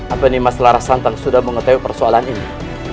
apa nimas larasantang sudah mengetahui persoalan ini